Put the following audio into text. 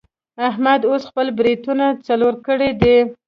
احمد اوس خپل برېتونه څوړ کړي دي.